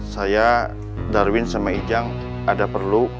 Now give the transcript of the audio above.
saya darwin sama ijang ada perlu